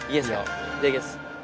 いただきます。